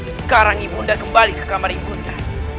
sekarang ibu unda kembali ke kamar ibu unda